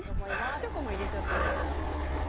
チョコも入れていいですか。